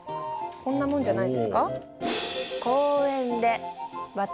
こんなもんじゃないですか？